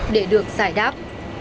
để giải đáp